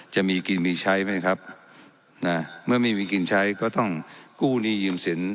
จะมีกินมีใช้ไหมครับนะเมื่อไม่มีกินใช้ก็ต้องกู้หนี้ยืมสิน